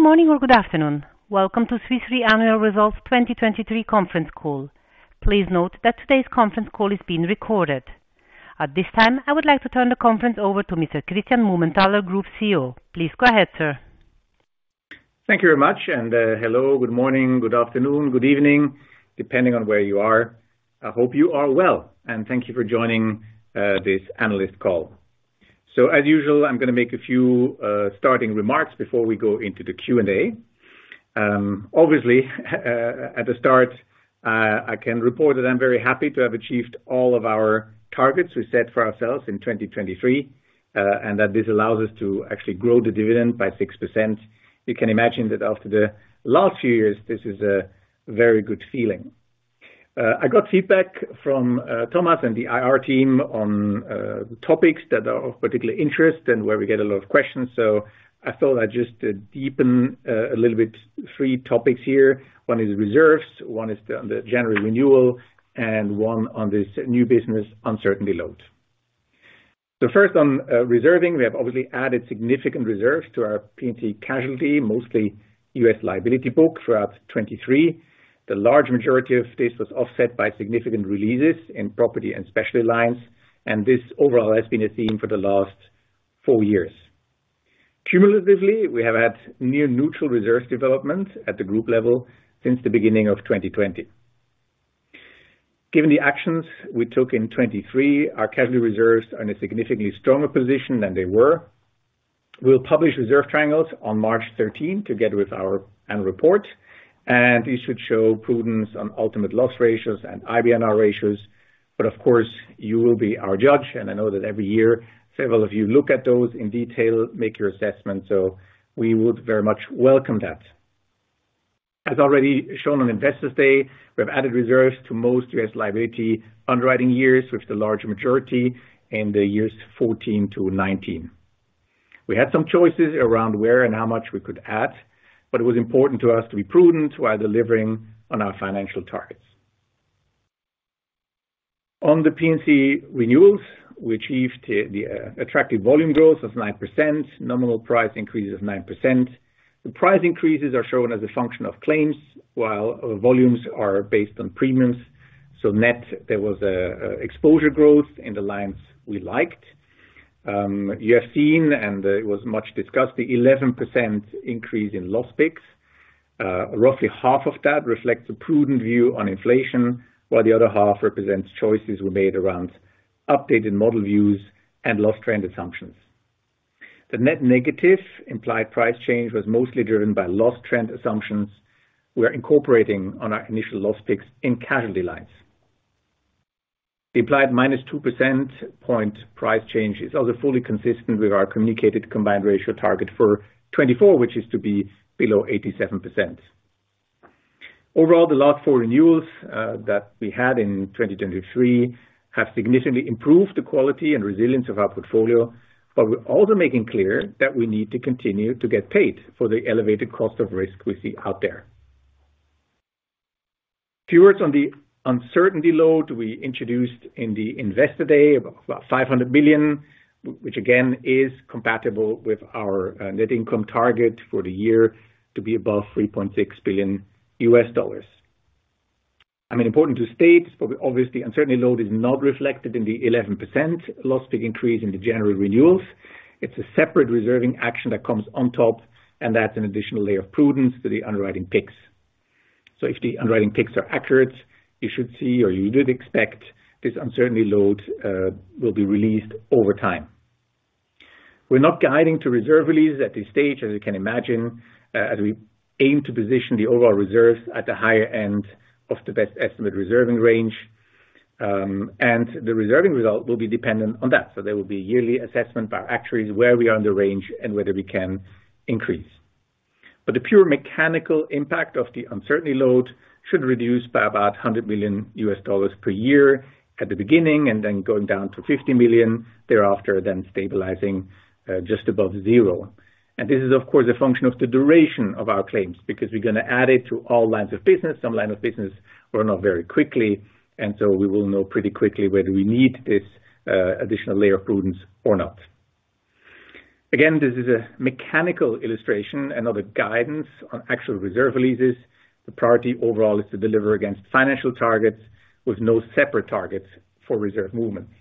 Good morning or good afternoon, welcome to Swiss Re Annual Results 2023 conference call. Please note that today's conference call is being recorded. At this time I would like to turn the conference over to Mr. Christian Mumenthaler, Group CEO. Please go ahead, sir. Thank you very much, and hello, good morning, good afternoon, good evening, depending on where you are. I hope you are well, and thank you for joining this analyst call. So as usual, I'm going to make a few starting remarks before we go into the Q&A. Obviously, at the start, I can report that I'm very happy to have achieved all of our targets we set for ourselves in 2023, and that this allows us to actually grow the dividend by 6%. You can imagine that after the last few years, this is a very good feeling. I got feedback from Thomas and the IR team on topics that are of particular interest and where we get a lot of questions, so I thought I'd just deepen a little bit three topics here. One is reserves, one is the general renewal, and one on this new business uncertainty load. First on reserving, we have obviously added significant reserves to our P&C casualty, mostly U.S. liability book throughout 2023. The large majority of this was offset by significant releases in property and specialty lines, and this overall has been a theme for the last four years. Cumulatively, we have had near-neutral reserve development at the group level since the beginning of 2020. Given the actions we took in 2023, our casualty reserves are in a significantly stronger position than they were. We'll publish reserve triangles on March 13 together with our annual report, and these should show prudence on ultimate loss ratios and IBNR ratios. But of course, you will be our judge, and I know that every year several of you look at those in detail, make your assessments, so we would very much welcome that. As already shown on Investors' Day, we have added reserves to most US liability underwriting years, with the large majority in the years 2014-2019. We had some choices around where and how much we could add, but it was important to us to be prudent while delivering on our financial targets. On the P&C renewals, we achieved attractive volume growth of 9%, nominal price increases of 9%. The price increases are shown as a function of claims, while volumes are based on premiums. So net, there was exposure growth in the lines we liked. You have seen, and it was much discussed, the 11% increase in loss picks. Roughly half of that reflects a prudent view on inflation, while the other half represents choices we made around updated model views and loss trend assumptions. The net negative implied price change was mostly driven by loss trend assumptions we were incorporating on our initial loss picks in casualty lines. The implied minus 2% point price change is also fully consistent with our communicated combined ratio target for 2024, which is to be below 87%. Overall, the last four renewals that we had in 2023 have significantly improved the quality and resilience of our portfolio, but we're also making clear that we need to continue to get paid for the elevated cost of risk we see out there. Few words on the uncertainty load we introduced in the Investors' Day, about $500 million, which again is compatible with our net income target for the year to be above $3.6 billion. I mean, important to state, obviously, uncertainty load is not reflected in the 11% loss picks increase in the general renewals. It's a separate reserving action that comes on top, and that's an additional layer of prudence to the underwriting picks. So if the underwriting picks are accurate, you should see or you should expect this uncertainty load will be released over time. We're not guiding to reserve release at this stage, as you can imagine, as we aim to position the overall reserves at the higher end of the best estimate reserving range. And the reserving result will be dependent on that, so there will be a yearly assessment by our actuaries where we are in the range and whether we can increase. But the pure mechanical impact of the uncertainty load should reduce by about $100 million per year at the beginning and then going down to $50 million thereafter, then stabilizing just above zero. This is, of course, a function of the duration of our claims because we're going to add it to all lines of business, some lines of business or not very quickly, and so we will know pretty quickly whether we need this additional layer of prudence or not. Again, this is a mechanical illustration, another guidance on actual reserve releases. The priority overall is to deliver against financial targets with no separate targets for reserve movements.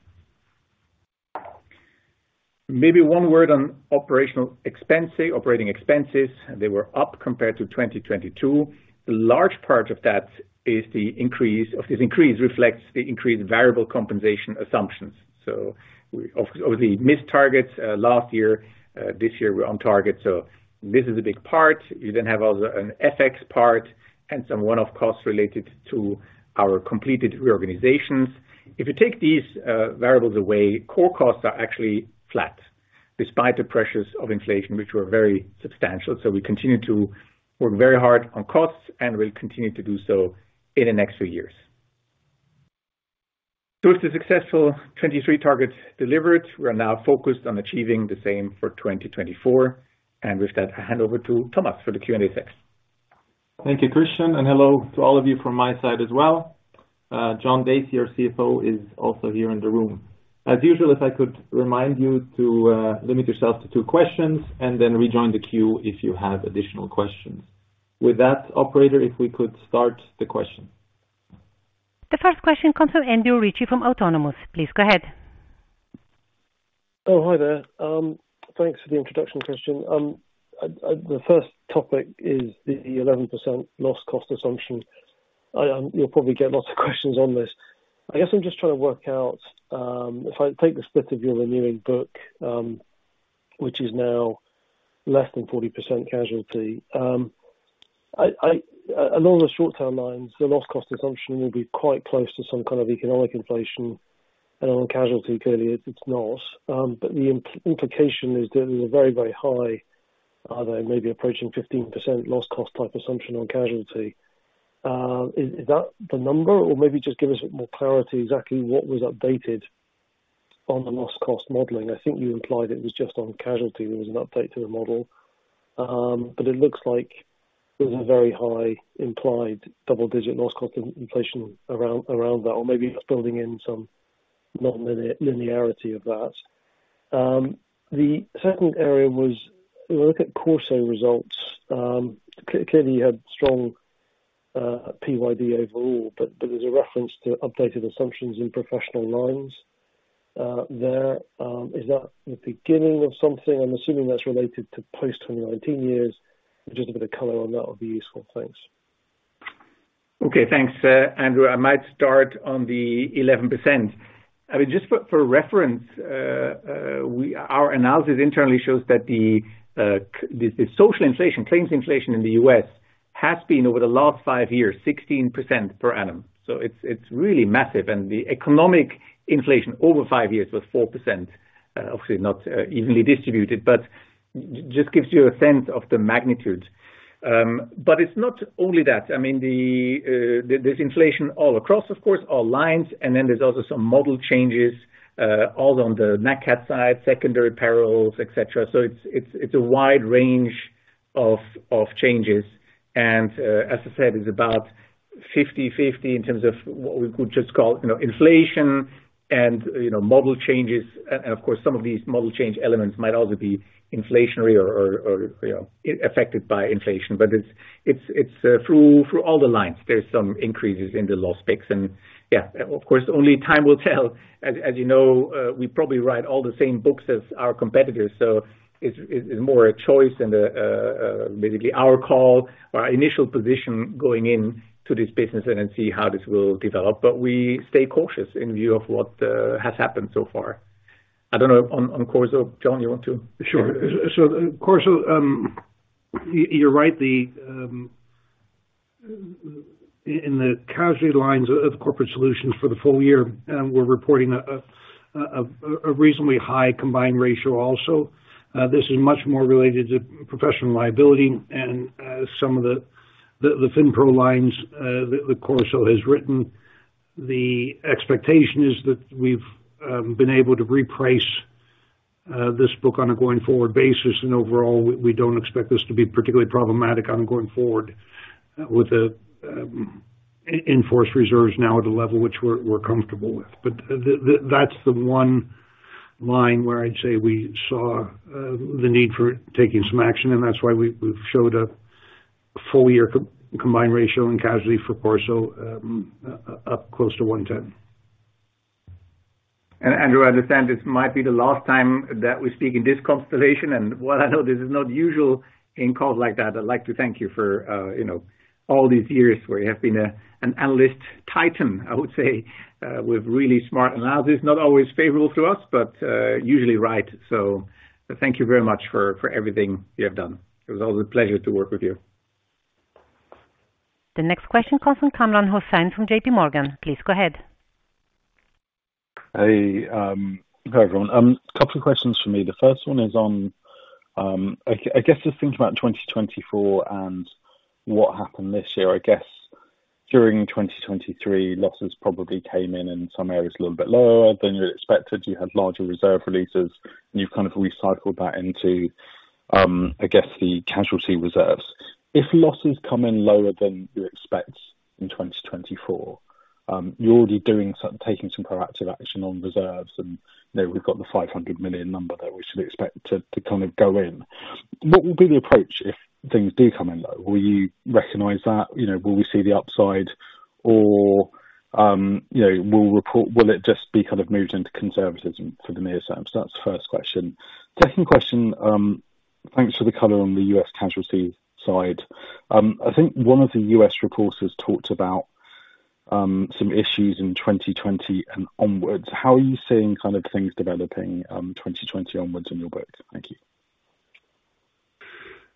Maybe one word on operational expenses, operating expenses. They were up compared to 2022. A large part of that is the increase. This increase reflects the increased variable compensation assumptions. So we obviously missed targets last year. This year, we're on target, so this is a big part. You then have also an FX part and some one-off costs related to our completed reorganizations. If you take these variables away, core costs are actually flat despite the pressures of inflation, which were very substantial. So we continue to work very hard on costs and will continue to do so in the next few years. So with the successful 2023 targets delivered, we are now focused on achieving the same for 2024. And with that, I hand over to Thomas for the Q&A section. Thank you, Christian, and hello to all of you from my side as well. John Dacey, our CFO, is also here in the room. As usual, if I could remind you to limit yourself to two questions and then rejoin the queue if you have additional questions. With that, operator, if we could start the questions. The first question comes from Andrew Ritchie from Autonomous Research. Please go ahead. Oh, hi there. Thanks for the introduction, Christian. The first topic is the 11% loss cost assumption. You'll probably get lots of questions on this. I guess I'm just trying to work out if I take the split of your renewing book, which is now less than 40% casualty, along the short-term lines, the loss cost assumption will be quite close to some kind of economic inflation. And on casualty, clearly, it's not. But the implication is that there's a very, very high, although maybe approaching 15% loss cost type assumption on casualty. Is that the number, or maybe just give us more clarity exactly what was updated on the loss cost modeling? I think you implied it was just on casualty. There was an update to the model, but it looks like there's a very high implied double-digit loss cost inflation around that, or maybe it's building in some non-linearity of that. The second area was we were looking at CorSo results. Clearly, you had strong PYD overall, but there's a reference to updated assumptions in professional lines there. Is that the beginning of something? I'm assuming that's related to post-2019 years. Just a bit of color on that would be useful. Thanks. Okay, thanks, Andrew. I might start on the 11%. I mean, just for reference, our analysis internally shows that the social inflation, claims inflation in the US, has been over the last five years 16% per annum. It's really massive. The economic inflation over five years was 4%, obviously not evenly distributed, but just gives you a sense of the magnitude. It's not only that. I mean, there's inflation all across, of course, all lines, and then there's also some model changes, all on the Nat Cat side, secondary perils, etc. It's a wide range of changes. As I said, it's about 50/50 in terms of what we could just call inflation and model changes. Of course, some of these model change elements might also be inflationary or affected by inflation, but it's through all the lines. There's some increases in the loss picks. Yeah, of course, only time will tell. As you know, we probably write all the same books as our competitors, so it's more a choice and basically our call, our initial position going into this business and then see how this will develop. But we stay cautious in view of what has happened so far. I don't know, on CorSo, John, you want to? Sure. So CorSo, you're right. In the casualty lines of Corporate Solutions for the full year, we're reporting a reasonably high combined ratio also. This is much more related to professional liability. And some of the FinPro lines that CorSo has written, the expectation is that we've been able to reprice this book on a going forward basis. And overall, we don't expect this to be particularly problematic going forward with the in-force reserves now at a level which we're comfortable with. But that's the one line where I'd say we saw the need for taking some action, and that's why we've showed a full-year combined ratio in casualty for CorSo up close to 110%. Andrew, I understand this might be the last time that we speak in this constellation, and while I know this is not usual in calls like that, I'd like to thank you for all these years where you have been an analyst titan, I would say, with really smart analysis, not always favorable to us, but usually right. So thank you very much for everything you have done. It was always a pleasure to work with you. The next question comes from Kamran Hossain from J.P. Morgan. Please go ahead. Hey, hi, everyone. Couple of questions for me. The first one is on I guess just thinking about 2024 and what happened this year. I guess during 2023, losses probably came in in some areas a little bit lower than you'd expected. You had larger reserve releases, and you've kind of recycled that into, I guess, the casualty reserves. If losses come in lower than you expect in 2024, you're already taking some proactive action on reserves, and we've got the $500 million number that we should expect to kind of go in. What will be the approach if things do come in low? Will you recognise that? Will we see the upside, or will it just be kind of moved into conservatism for the near term? So that's the first question. Second question, thanks for the color on the U.S. casualty side. I think one of the U.S. reports has talked about some issues in 2020 and onwards. How are you seeing kind of things developing 2020 onwards in your book? Thank you.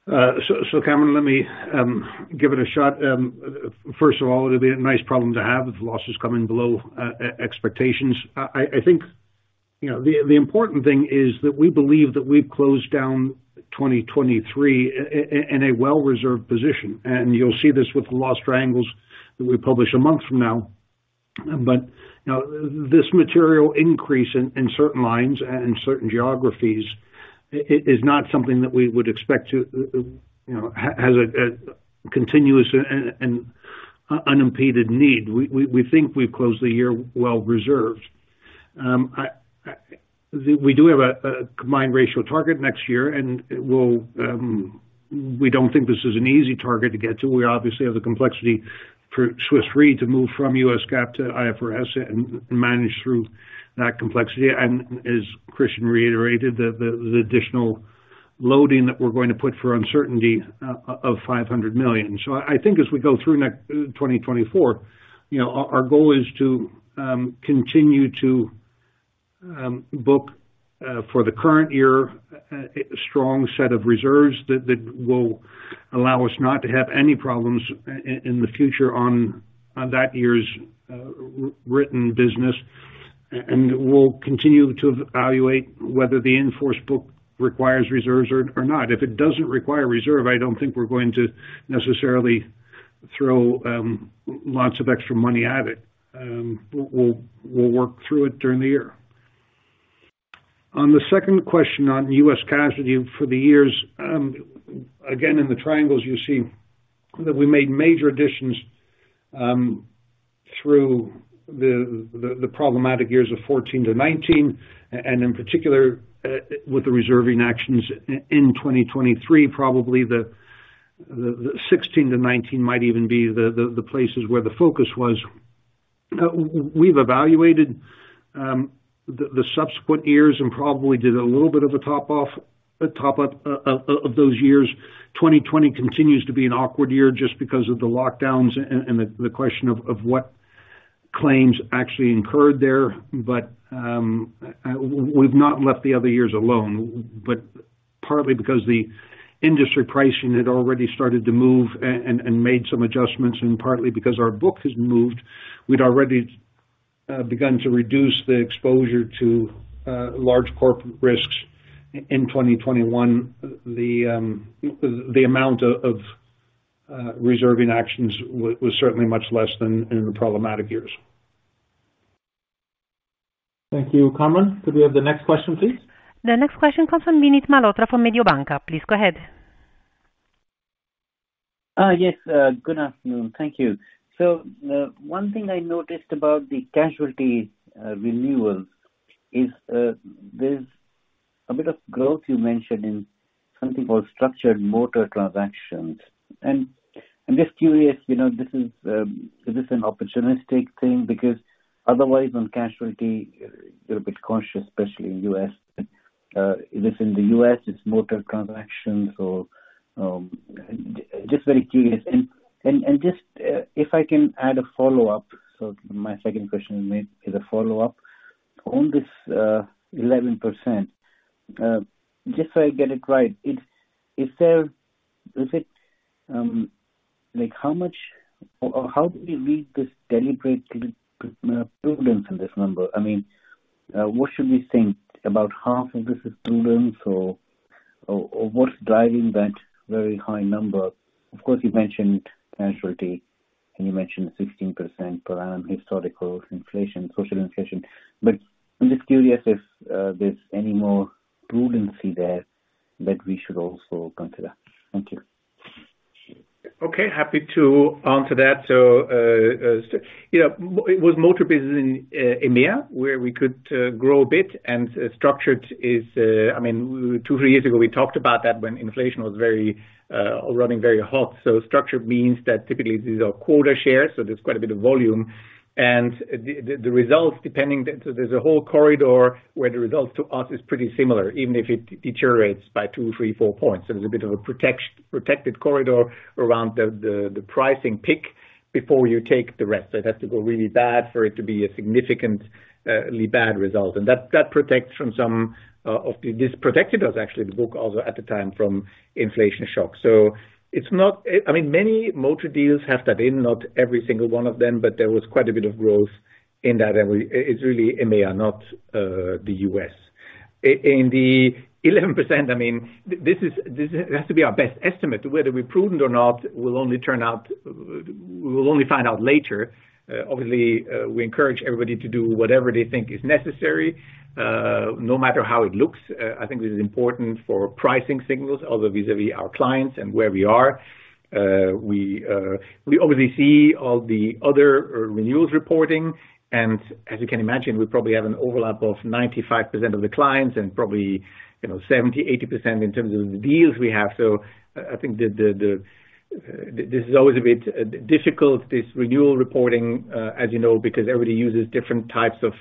So Kamran, let me give it a shot. First of all, it would have been a nice problem to have if losses come in below expectations. I think the important thing is that we believe that we've closed down 2023 in a well-reserved position. And you'll see this with the loss triangles that we publish a month from now. But this material increase in certain lines and certain geographies is not something that we would expect to has a continuous and unimpeded need. We think we've closed the year well-reserved. We do have a Combined Ratio target next year, and we don't think this is an easy target to get to. We obviously have the complexity for Swiss Re to move from US GAAP to IFRS and manage through that complexity. And as Christian reiterated, the additional loading that we're going to put for uncertainty of $500 million. So I think as we go through 2024, our goal is to continue to book for the current year a strong set of reserves that will allow us not to have any problems in the future on that year's written business. And we'll continue to evaluate whether the enforced book requires reserves or not. If it doesn't require reserve, I don't think we're going to necessarily throw lots of extra money at it. We'll work through it during the year. On the second question on US casualty for the years, again, in the triangles, you see that we made major additions through the problematic years of 2014 to 2019. And in particular, with the reserving actions in 2023, probably the 2016 to 2019 might even be the places where the focus was. We've evaluated the subsequent years and probably did a little bit of a top-up of those years. 2020 continues to be an awkward year just because of the lockdowns and the question of what claims actually incurred there. But we've not left the other years alone, but partly because the industry pricing had already started to move and made some adjustments, and partly because our book has moved. We'd already begun to reduce the exposure to large corporate risks. In 2021, the amount of reserving actions was certainly much less than in the problematic years. Thank you. Kamran, could we have the next question, please? The next question comes from Vinit Malhotra from Mediobanca. Please go ahead. Yes. Good afternoon. Thank you. So one thing I noticed about the casualty renewals is there's a bit of growth you mentioned in something called structured motor transactions. And I'm just curious, is this an opportunistic thing? Because otherwise, on casualty, you're a bit cautious, especially in the U.S. Is this in the U.S.? It's motor transactions, so just very curious. And just if I can add a follow-up, so my second question is a follow-up on this 11%, just so I get it right, is it how much or how do we read this deliberate prudence in this number? I mean, what should we think about half of this is prudence, or what's driving that very high number? Of course, you mentioned casualty, and you mentioned 16% per annum historical inflation, social inflation. But I'm just curious if there's any more prudence there that we should also consider. Thank you. Okay, happy to answer that. So it was motor business in EMEA where we could grow a bit. And structured is I mean, 2-3 years ago, we talked about that when inflation was running very hot. So structured means that typically these are quota shares, so there's quite a bit of volume. And the results, depending so there's a whole corridor where the results to us is pretty similar, even if it deteriorates by 2, 3, 4 points. So there's a bit of a protected corridor around the pricing pick before you take the rest. So it has to go really bad for it to be a significantly bad result. And that protects from some of this protected us, actually, the book also at the time, from inflation shock. So it's not, I mean, many motor deals have that in, not every single one of them, but there was quite a bit of growth in that. And it's really EMEA, not the US. In the 11%, I mean, this has to be our best estimate. Whether we're prudent or not will only turn out we will only find out later. Obviously, we encourage everybody to do whatever they think is necessary, no matter how it looks. I think this is important for pricing signals, also vis-à-vis our clients and where we are. We obviously see all the other renewals reporting. And as you can imagine, we probably have an overlap of 95% of the clients and probably 70%-80% in terms of the deals we have. So I think this is always a bit difficult, this renewal reporting, as you know, because everybody uses different types of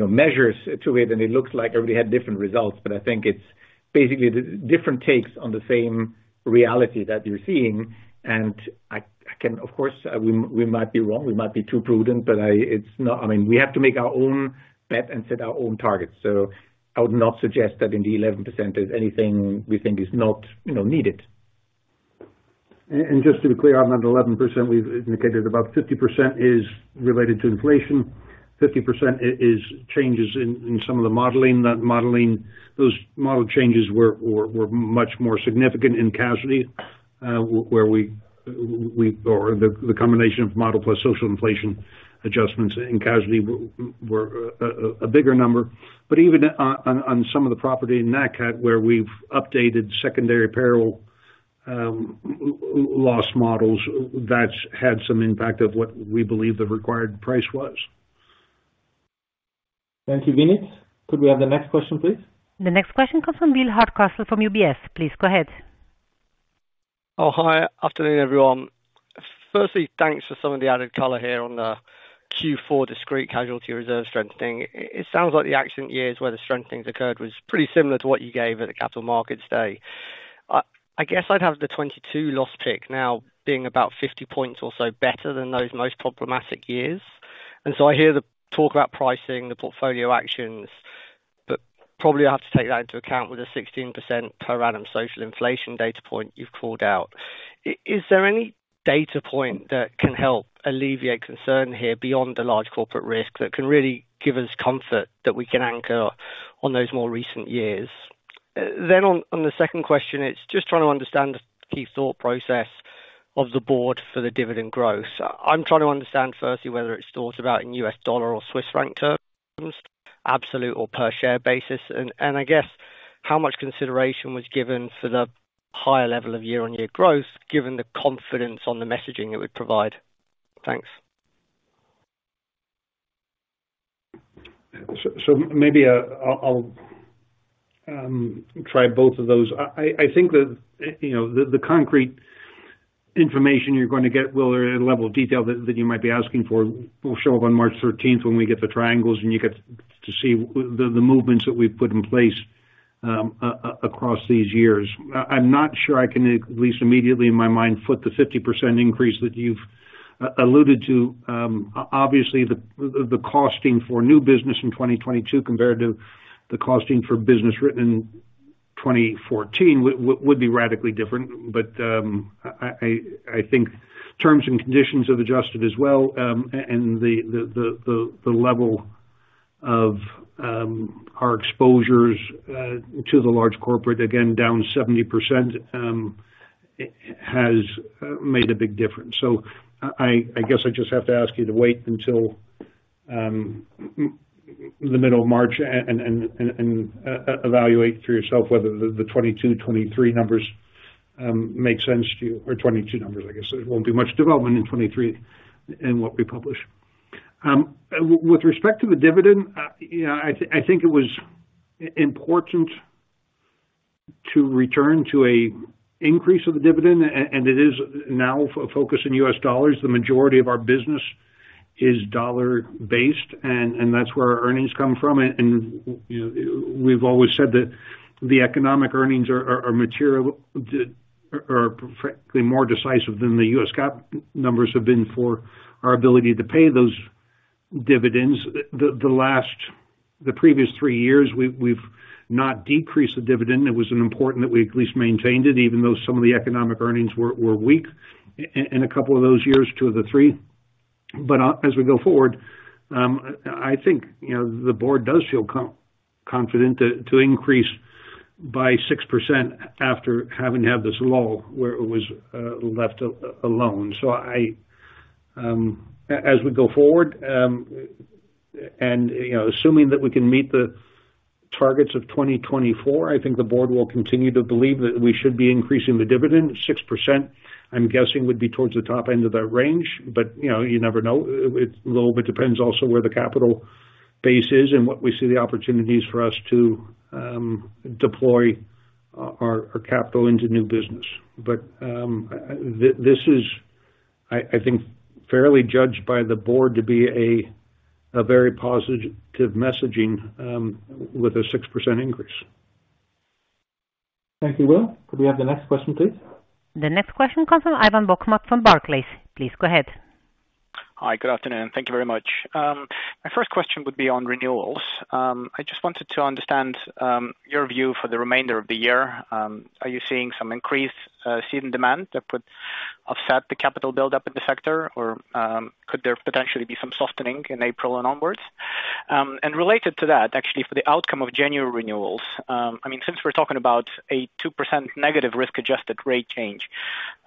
measures to it, and it looks like everybody had different results. But I think it's basically different takes on the same reality that you're seeing. And of course, we might be wrong. We might be too prudent, but it's not, I mean, we have to make our own bet and set our own targets. So I would not suggest that in the 11% there's anything we think is not needed. Just to be clear on that 11%, we've indicated about 50% is related to inflation. 50% is changes in some of the modeling. Those model changes were much more significant in casualty, where we or the combination of model plus social inflation adjustments in casualty were a bigger number. But even on some of the property in NACAT where we've updated secondary peril loss models, that's had some impact of what we believe the required price was. Thank you. Vinit, could we have the next question, please? The next question comes from Will Hardcastle from UBS. Please go ahead. Oh, hi. Afternoon, everyone. Firstly, thanks for some of the added color here on the Q4 discrete casualty reserve strengthening. It sounds like the accident years where the strengthening occurred was pretty similar to what you gave at the Capital Markets Day. I guess I'd have the 2022 loss pick now being about 50 points or so better than those most problematic years. And so I hear the talk about pricing, the portfolio actions, but probably I have to take that into account with the 16% per annum social inflation data point you've called out. Is there any data point that can help alleviate concern here beyond the large corporate risk that can really give us comfort that we can anchor on those more recent years? Then on the second question, it's just trying to understand the key thought process of the board for the dividend growth. I'm trying to understand, firstly, whether it's thought about in U.S. dollar or Swiss franc terms, absolute or per share basis. And I guess how much consideration was given for the higher level of year-over-year growth given the confidence on the messaging it would provide? Thanks. So maybe I'll try both of those. I think that the concrete information you're going to get will, or a level of detail that you might be asking for, will show up on March 13th when we get the triangles and you get to see the movements that we've put in place across these years. I'm not sure I can, at least immediately in my mind, foot the 50% increase that you've alluded to. Obviously, the costing for new business in 2022 compared to the costing for business written in 2014 would be radically different. But I think terms and conditions have adjusted as well, and the level of our exposures to the large corporate, again, down 70% has made a big difference. So I guess I just have to ask you to wait until the middle of March and evaluate for yourself whether the 2022, 2023 numbers make sense to you or 2022 numbers. I guess there won't be much development in 2023 in what we publish. With respect to the dividend, I think it was important to return to an increase of the dividend. And it is now a focus in U.S. dollars. The majority of our business is dollar-based, and that's where our earnings come from. And we've always said that the economic earnings are frankly more decisive than the U.S. GAAP numbers have been for our ability to pay those dividends. The previous three years, we've not decreased the dividend. It was important that we at least maintained it, even though some of the economic earnings were weak in a couple of those years, two of the three. But as we go forward, I think the board does feel confident to increase by 6% after having to have this lull where it was left alone. So as we go forward, and assuming that we can meet the targets of 2024, I think the board will continue to believe that we should be increasing the dividend. 6%, I'm guessing, would be towards the top end of that range, but you never know. It's a little bit depends also where the capital base is and what we see the opportunities for us to deploy our capital into new business. But this is, I think, fairly judged by the board to be a very positive messaging with a 6% increase. Thank you, Will. Could we have the next question, please? The next question comes from Ivan Bokhmat from Barclays. Please go ahead. Hi. Good afternoon. Thank you very much. My first question would be on renewals. I just wanted to understand your view for the remainder of the year. Are you seeing some increased seed and demand that would offset the capital buildup in the sector, or could there potentially be some softening in April and onwards? And related to that, actually, for the outcome of January renewals, I mean, since we're talking about a 2% negative risk-adjusted rate change,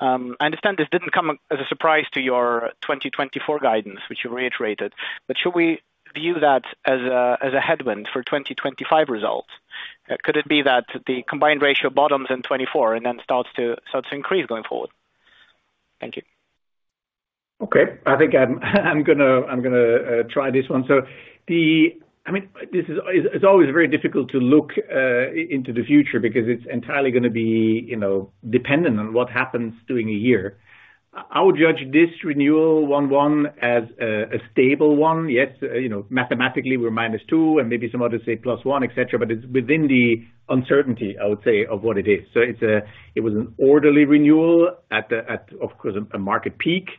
I understand this didn't come as a surprise to your 2024 guidance, which you reiterated. But should we view that as a headwind for 2025 results? Could it be that the Combined Ratio bottoms in 2024 and then starts to increase going forward? Thank you. Okay. I think I'm going to try this one. So I mean, it's always very difficult to look into the future because it's entirely going to be dependent on what happens during a year. I would judge this renewal 1/1 as a stable one. Yes, mathematically, we're -2, and maybe some others say plus 1, etc. But it's within the uncertainty, I would say, of what it is. So it was an orderly renewal at, of course, a market peak.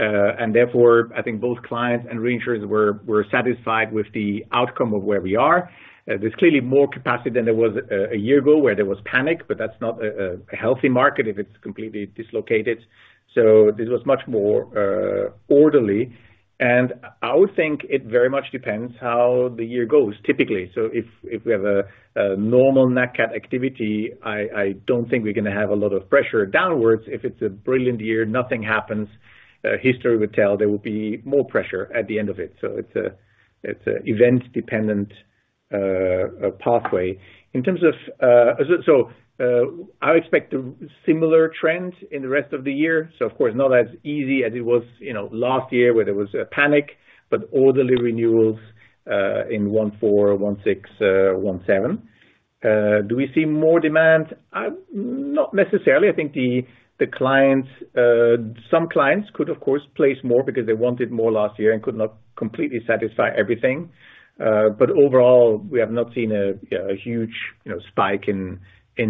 And therefore, I think both clients and reinsurers were satisfied with the outcome of where we are. There's clearly more capacity than there was a year ago where there was panic, but that's not a healthy market if it's completely dislocated. So this was much more orderly. And I would think it very much depends how the year goes, typically. So if we have a normal NACAT activity, I don't think we're going to have a lot of pressure downwards. If it's a brilliant year, nothing happens. History would tell there will be more pressure at the end of it. So it's an event-dependent pathway. In terms of so I expect a similar trend in the rest of the year. So, of course, not as easy as it was last year where there was a panic, but orderly renewals in 2014, 2016, 2017. Do we see more demand? Not necessarily. I think some clients could, of course, place more because they wanted more last year and could not completely satisfy everything. But overall, we have not seen a huge spike in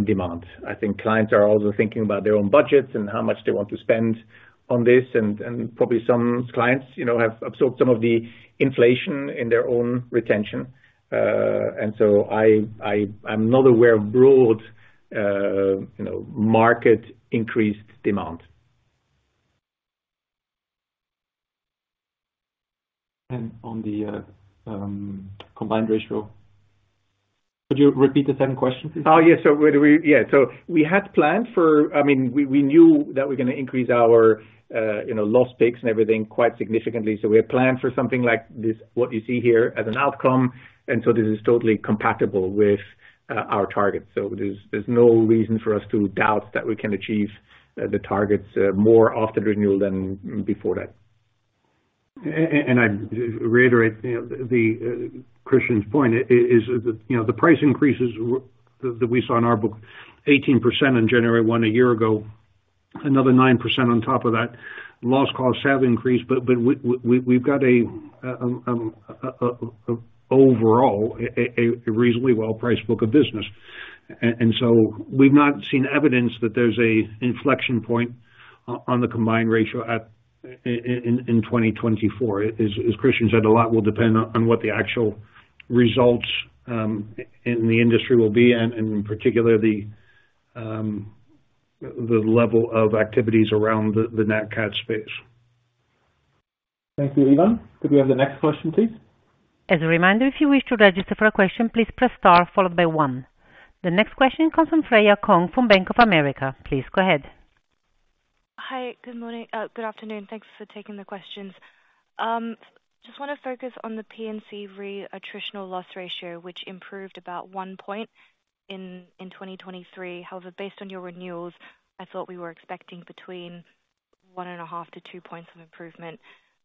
demand. I think clients are also thinking about their own budgets and how much they want to spend on this. Probably some clients have absorbed some of the inflation in their own retention. So I'm not aware of broad market increased demand. On the combined ratio, could you repeat the second question, please? Oh, yes. So yeah. So we had planned for, I mean, we knew that we were going to increase our loss picks and everything quite significantly. So we had planned for something like this, what you see here, as an outcome. And so this is totally compatible with our targets. So there's no reason for us to doubt that we can achieve the targets more after the renewal than before that. I reiterate Christian's point. The price increases that we saw in our book, 18% in January 1 a year ago, another 9% on top of that. Loss costs have increased, but we've got an overall reasonably well-priced book of business. So we've not seen evidence that there's an inflection point on the combined ratio in 2024. As Christian said, a lot will depend on what the actual results in the industry will be, and in particular, the level of activities around the NACAT space. Thank you, Ivan. Could we have the next question, please? As a reminder, if you wish to register for a question, please press star followed by 1. The next question comes from Freya Kong from Bank of America. Please go ahead. Hi. Good afternoon. Thanks for taking the questions. Just want to focus on the P&C Re-attritional loss ratio, which improved about 1 point in 2023. However, based on your renewals, I thought we were expecting between 1.5-2 points of improvement.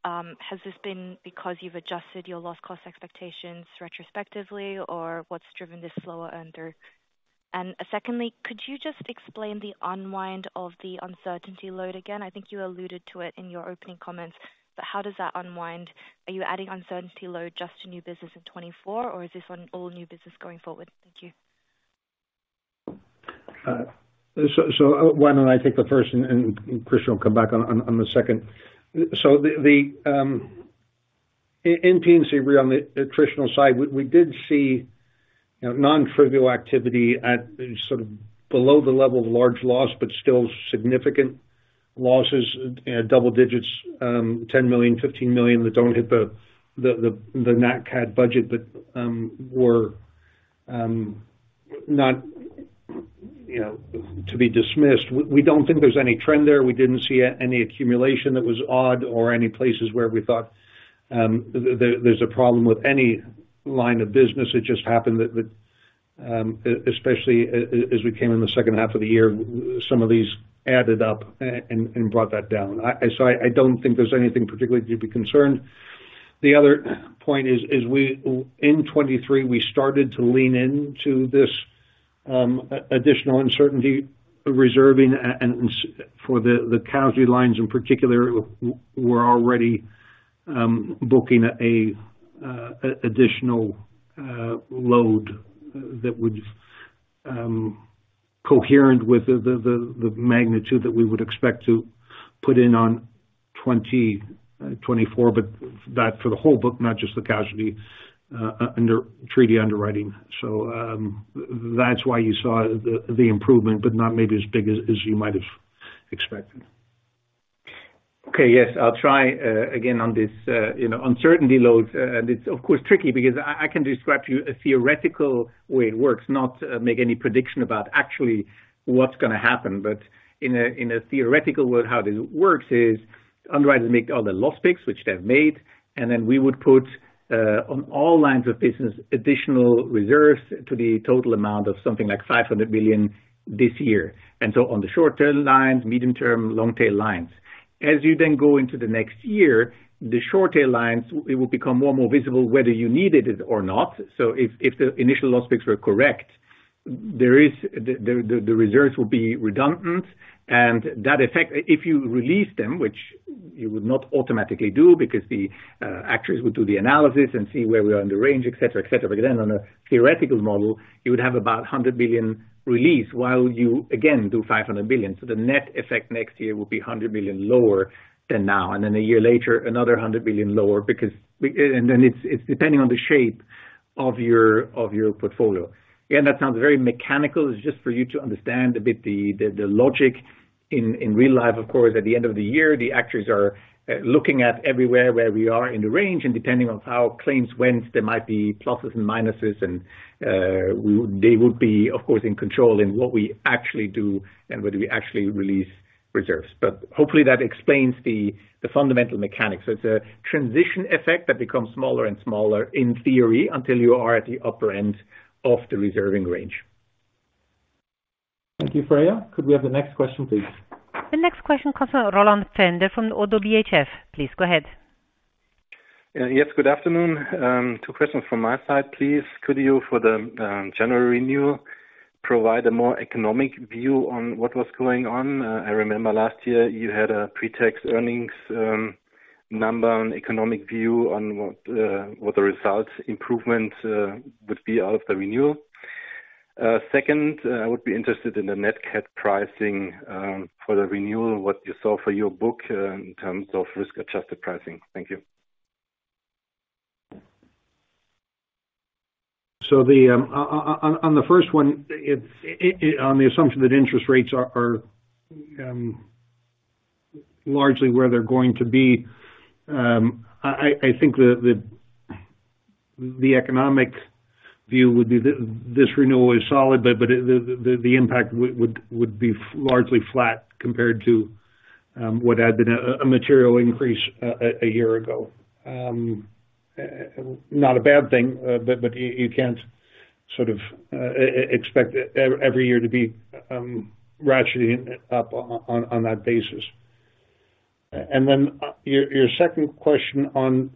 Has this been because you've adjusted your loss cost expectations retrospectively, or what's driven this slower earner? And secondly, could you just explain the unwind of the uncertainty load again? I think you alluded to it in your opening comments, but how does that unwind? Are you adding uncertainty load just to new business in 2024, or is this on all new business going forward? Thank you. So Freya, I take the first, and Christian will come back on the second. In P&C Re-attritional side, we did see non-trivial activity sort of below the level of large loss, but still significant losses, double digits, $10 million, $15 million that don't hit the NACAT budget but were not to be dismissed. We don't think there's any trend there. We didn't see any accumulation that was odd or any places where we thought there's a problem with any line of business. It just happened that, especially as we came in the second half of the year, some of these added up and brought that down. I don't think there's anything particularly to be concerned. The other point is, in 2023, we started to lean into this additional uncertainty reserving. For the casualty lines in particular, we're already booking an additional load that would be coherent with the magnitude that we would expect to put in on 2024, but that for the whole book, not just the casualty treaty underwriting. That's why you saw the improvement, but not maybe as big as you might have expected. Okay. Yes. I'll try again on this uncertainty load. It's, of course, tricky because I can describe to you a theoretical way it works, not make any prediction about actually what's going to happen. In a theoretical world, how this works is underwriters make all the loss picks, which they've made, and then we would put on all lines of business additional reserves to the total amount of something like $500 million this year. So on the short-term lines, medium-term, long-tail lines. As you then go into the next year, the short-tail lines, it will become more and more visible whether you needed it or not. So if the initial loss picks were correct, the reserves will be redundant. That effect, if you release them, which you would not automatically do because the actuaries would do the analysis and see where we are in the range, etc., etc., again, on a theoretical model, you would have about $100 million release while you, again, do $500 million. So the net effect next year will be $100 million lower than now. And then a year later, another $100 million lower. And then it's depending on the shape of your portfolio. Again, that sounds very mechanical. It's just for you to understand a bit the logic in real life. Of course, at the end of the year, the actuaries are looking at everywhere where we are in the range. And depending on how claims went, there might be pluses and minuses. And they would be, of course, in control in what we actually do and whether we actually release reserves. But hopefully, that explains the fundamental mechanics. So it's a transition effect that becomes smaller and smaller in theory until you are at the upper end of the reserving range. Thank you, Freya. Could we have the next question, please? The next question comes from Roland Pfänder from ODDO BHF. Please go ahead. Yes. Good afternoon. Two questions from my side, please. Could you, for the January renewal, provide a more economic view on what was going on? I remember last year, you had a pretax earnings number and economic view on what the result improvement would be out of the renewal. Second, I would be interested in the NACAT pricing for the renewal, what you saw for your book in terms of risk-adjusted pricing. Thank you. So on the first one, on the assumption that interest rates are largely where they're going to be, I think the economic view would be that this renewal is solid, but the impact would be largely flat compared to what had been a material increase a year ago. Not a bad thing, but you can't sort of expect every year to be ratcheting up on that basis. And then your second question on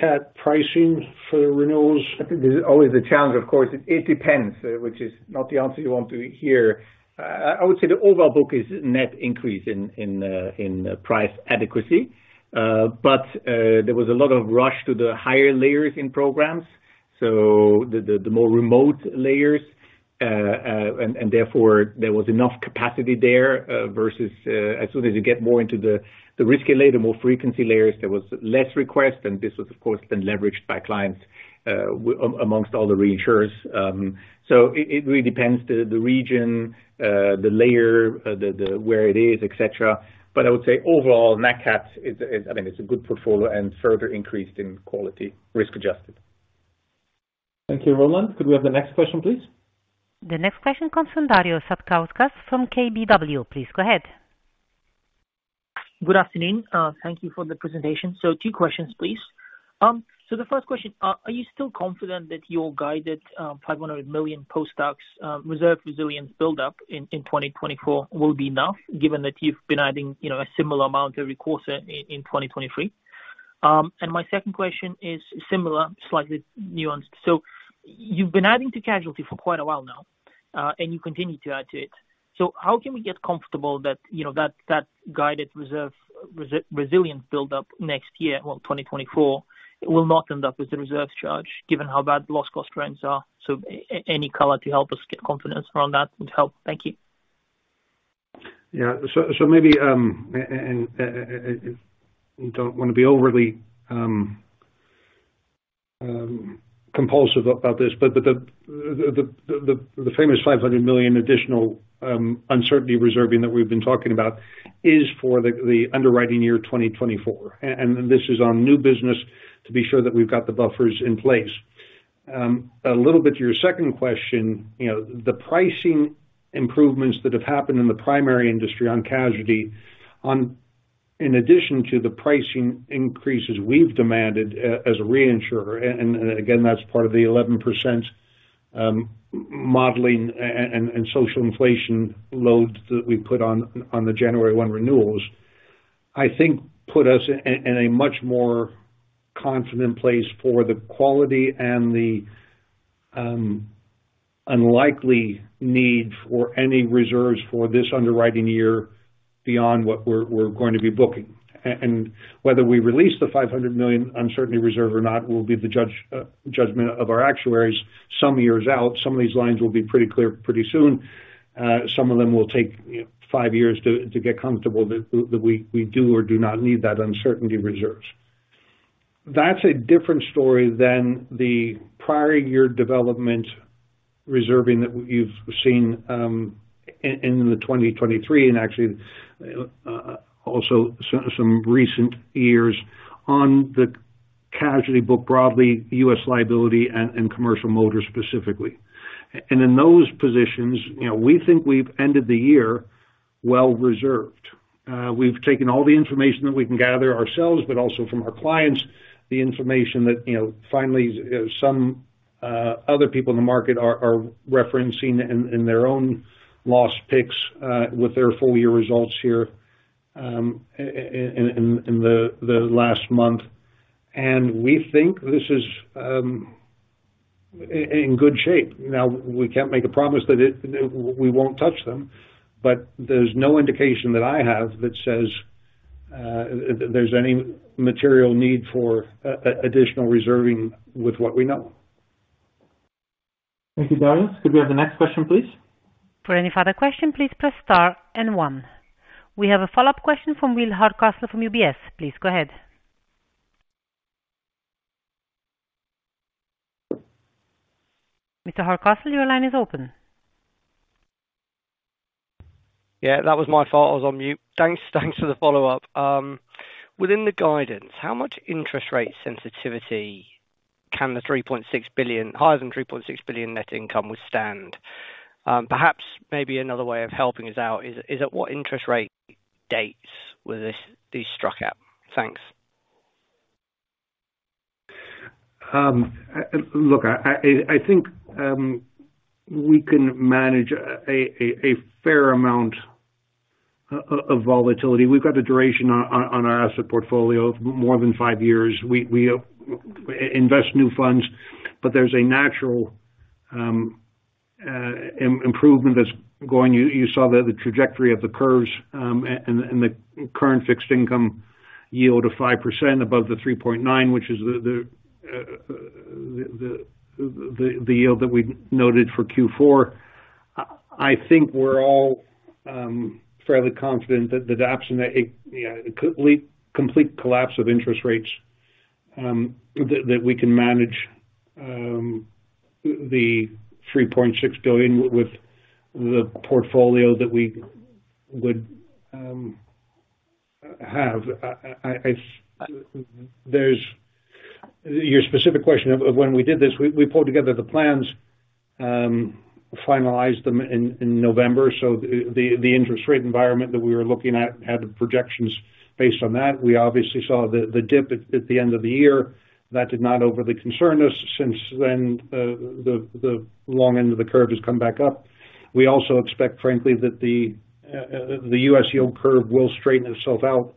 NACAT pricing for the renewals. I think always the challenge, of course, it depends, which is not the answer you want to hear. I would say the overall book is net increase in price adequacy. But there was a lot of rush to the higher layers in programs, so the more remote layers. And therefore, there was enough capacity there versus as soon as you get more into the risky layer, the more frequency layers, there was less request. And this was, of course, then leveraged by clients amongst all the reinsurers. So it really depends on the region, the layer, where it is, etc. But I would say overall, NACAT, I mean, it's a good portfolio and further increased in quality, risk-adjusted. Thank you, Roland. Could we have the next question, please? The next question comes from Darius Satkauskas from KBW. Please go ahead. Good afternoon. Thank you for the presentation. Two questions, please. The first question, are you still confident that your guided $500 million post-DOC reserve resilience buildup in 2024 will be enough given that you've been adding a similar amount every quarter in 2023? And my second question is similar, slightly nuanced. You've been adding to casualty for quite a while now, and you continue to add to it. How can we get comfortable that that guided reserve resilience buildup next year, well, 2024, will not end up as a reserve charge given how bad loss cost trends are? Any color to help us get confidence around that would help. Thank you. Yeah. So maybe I don't want to be overly compulsive about this, but the famous $500 million additional uncertainty reserving that we've been talking about is for the underwriting year 2024. This is on new business to be sure that we've got the buffers in place. A little bit to your second question, the pricing improvements that have happened in the primary industry on casualty, in addition to the pricing increases we've demanded as a reinsurer - and again, that's part of the 11% modeling and social inflation load that we've put on the January 1 renewals - I think put us in a much more confident place for the quality and the unlikely need for any reserves for this underwriting year beyond what we're going to be booking. Whether we release the $500 million uncertainty reserve or not will be the judgment of our actuaries some years out. Some of these lines will be pretty clear pretty soon. Some of them will take five years to get comfortable that we do or do not need that uncertainty reserves. That's a different story than the prior-year development reserving that you've seen in the 2023 and actually also some recent years on the casualty book broadly, U.S. liability, and commercial motor specifically. And in those positions, we think we've ended the year well-reserved. We've taken all the information that we can gather ourselves, but also from our clients, the information that finally some other people in the market are referencing in their own loss picks with their full-year results here in the last month. And we think this is in good shape. Now, we can't make a promise that we won't touch them, but there's no indication that I have that says there's any material need for additional reserving with what we know. Thank you, Darius. Could we have the next question, please? For any further question, please press star and one. We have a follow-up question from Will Hardcastle from UBS. Please go ahead. Mr. Hardcastle, your line is open. Yeah. That was my fault. I was on mute. Thanks for the follow-up. Within the guidance, how much interest rate sensitivity can the $3.6 billion higher than $3.6 billion net income withstand? Perhaps maybe another way of helping us out is at what interest rate dates were these struck at? Thanks. Look, I think we can manage a fair amount of volatility. We've got the duration on our asset portfolio of more than five years. We invest new funds, but there's a natural improvement that's going. You saw the trajectory of the curves and the current fixed income yield of 5% above the 3.9, which is the yield that we noted for Q4. I think we're all fairly confident that the complete collapse of interest rates, that we can manage the $3.6 billion with the portfolio that we would have. Your specific question of when we did this, we pulled together the plans, finalized them in November. So the interest rate environment that we were looking at had projections based on that. We obviously saw the dip at the end of the year. That did not overly concern us. Since then, the long end of the curve has come back up. We also expect, frankly, that the U.S. yield curve will straighten itself out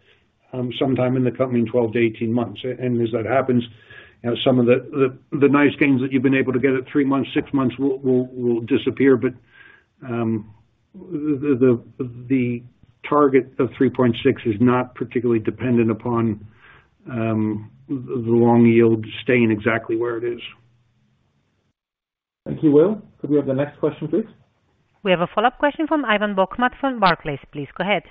sometime in the coming 12-18 months. As that happens, some of the nice gains that you've been able to get at thre months, six months will disappear. The target of 3.6 is not particularly dependent upon the long yield staying exactly where it is. Thank you, Will. Could we have the next question, please? We have a follow-up question from Ivan Bokhmat from Barclays. Please go ahead.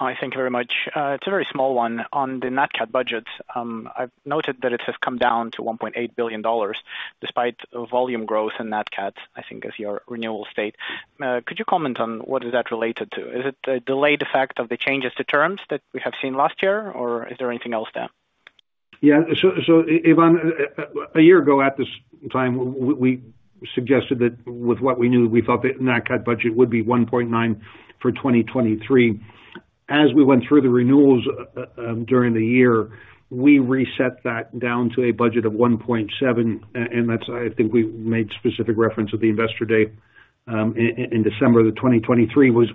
Hi. Thank you very much. It's a very small one. On the NACAT budget, I've noted that it has come down to $1.8 billion despite volume growth in NACAT, I think, as your renewal state. Could you comment on what is that related to? Is it a delayed effect of the changes to terms that we have seen last year, or is there anything else there? Yeah. So Ivan, a year ago at this time, we suggested that with what we knew, we thought the NACAT budget would be $1.9 billion for 2023. As we went through the renewals during the year, we reset that down to a budget of $1.7 billion. And I think we made specific reference to the investor day in December 2023 was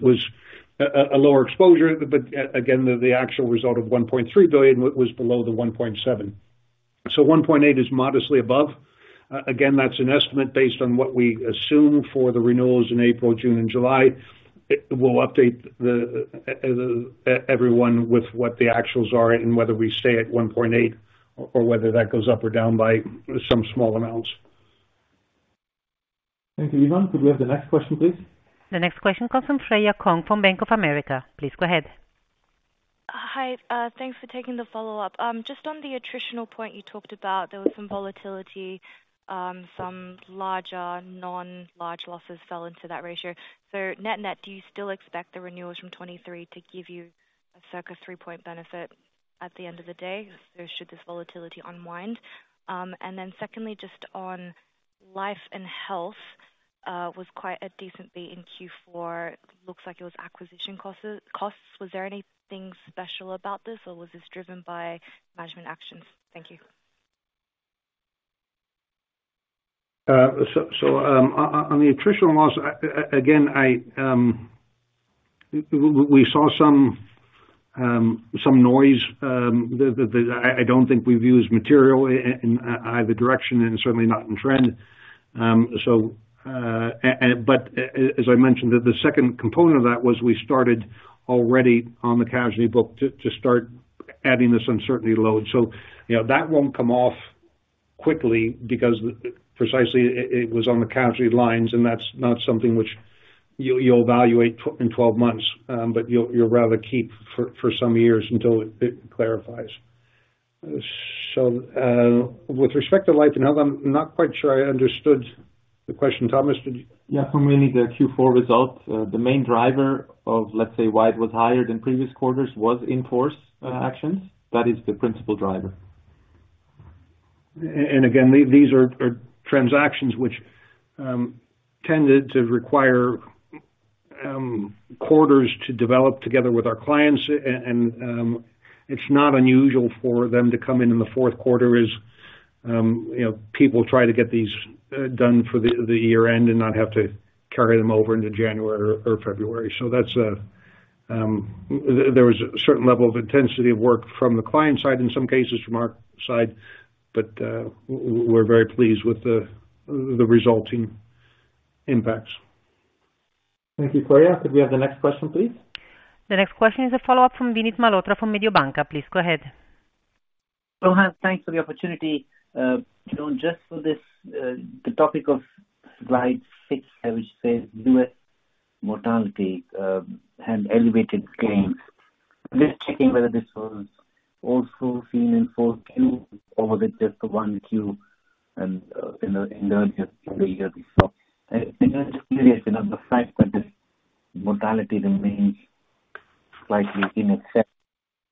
a lower exposure. But again, the actual result of $1.3 billion was below the $1.7 billion. So $1.8 billion is modestly above. Again, that's an estimate based on what we assume for the renewals in April, June, and July. We'll update everyone with what the actuals are and whether we stay at $1.8 billion or whether that goes up or down by some small amounts. Thank you, Ivan. Could we have the next question, please? The next question comes from Freya Kong from Bank of America. Please go ahead. Hi. Thanks for taking the follow-up. Just on the attritional point you talked about, there was some volatility. Some larger non-large losses fell into that ratio. So net-net, do you still expect the renewals from 2023 to give you a circa three-point benefit at the end of the day should this volatility unwind? And then secondly, just on life and health, was quite a decent beat in Q4. Looks like it was acquisition costs. Was there anything special about this, or was this driven by management actions? Thank you. So on the attritional loss, again, we saw some noise that I don't think we view as material in either direction and certainly not in trend. But as I mentioned, the second component of that was we started already on the casualty book to start adding this uncertainty load. So that won't come off quickly because precisely it was on the casualty lines. And that's not something which you'll evaluate in 12 months, but you'll rather keep for some years until it clarifies. So with respect to life and health, I'm not quite sure I understood the question. Thomas, did you? Yeah. For mainly the Q4 result, the main driver of, let's say, why it was higher than previous quarters was in-force actions. That is the principal driver. And again, these are transactions which tend to require quarters to develop together with our clients. And it's not unusual for them to come in in the fourth quarter as people try to get these done for the year-end and not have to carry them over into January or February. So there was a certain level of intensity of work from the client side in some cases, from our side. But we're very pleased with the resulting impacts. Thank you, Freya. Could we have the next question, please? The next question is a follow-up from Vinit Malhotra from Mediobanca. Please go ahead. John, thanks for the opportunity. John, just for the topic of Slide 6 here, which says US mortality and elevated gains. Just checking whether this was also seen in fourth Q or was it just the one Q in the earlier year before. And I'm just curious about the fact that this mortality remains slightly in excess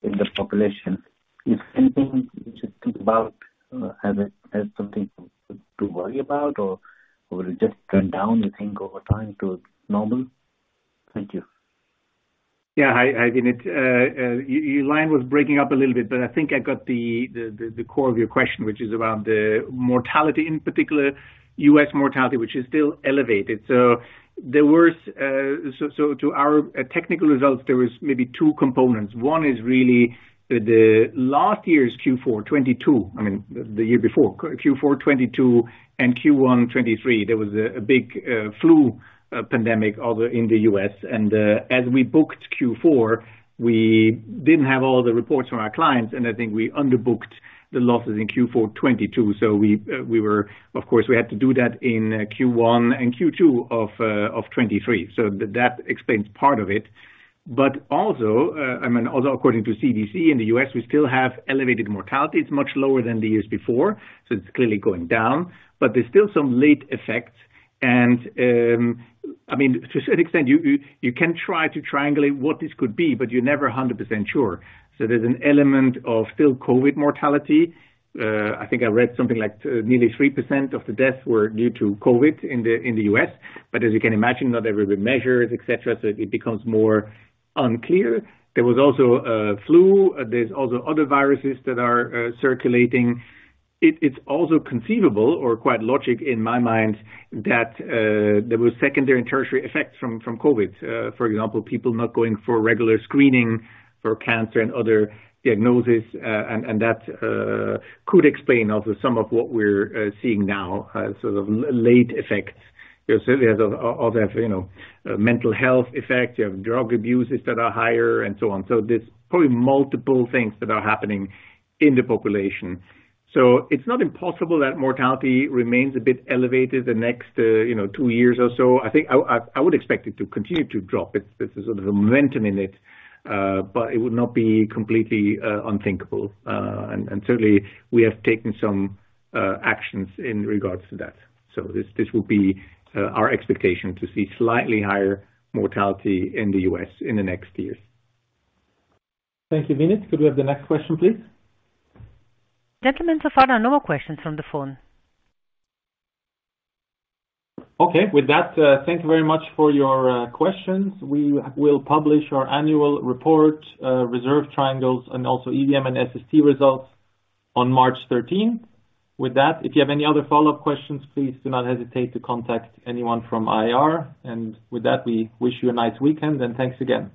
in the population. Is anything you should think about as something to worry about, or will it just turn down, you think, over time to normal? Thank you. Yeah. Hi, Vinit. Your line was breaking up a little bit, but I think I got the core of your question, which is around the mortality in particular, U.S. mortality, which is still elevated. So to our technical results, there was maybe two components. One is really the last year's Q4 2022, I mean, the year before, Q4 2022 and Q1 2023. There was a big flu pandemic in the U.S. And as we booked Q4, we didn't have all the reports from our clients. And I think we underbooked the losses in Q4 2022. So of course, we had to do that in Q1 and Q2 of 2023. So that explains part of it. But also, I mean, also according to CDC, in the U.S., we still have elevated mortality. It's much lower than the years before. So it's clearly going down. But there's still some late effects. I mean, to a certain extent, you can try to triangulate what this could be, but you're never 100% sure. So there's an element of still COVID mortality. I think I read something like nearly 3% of the deaths were due to COVID in the U.S. But as you can imagine, not everybody measures, etc. So it becomes more unclear. There was also flu. There's also other viruses that are circulating. It's also conceivable or quite logical in my mind that there were secondary and tertiary effects from COVID. For example, people not going for regular screening for cancer and other diagnoses. And that could explain also some of what we're seeing now, sort of late effects. You also have mental health effects. You have drug abuses that are higher and so on. So there's probably multiple things that are happening in the population. So it's not impossible that mortality remains a bit elevated the next two years or so. I think I would expect it to continue to drop. There's a sort of momentum in it, but it would not be completely unthinkable. And certainly, we have taken some actions in regards to that. So this would be our expectation to see slightly higher mortality in the U.S. in the next years. Thank you, Vinit. Could we have the next question, please? Gentlemen, so far no more questions from the phone. Okay. With that, thank you very much for your questions. We will publish our annual report, reserve triangles, and also EVM and SST results on March 13th. With that, if you have any other follow-up questions, please do not hesitate to contact anyone from IR. And with that, we wish you a nice weekend. Thanks again.